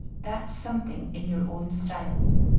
that's something in your own style!